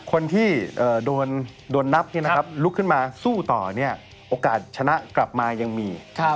คนที่โดนนับลุกขึ้นมาสู้ต่อโอกาสชนะกลับมายังมี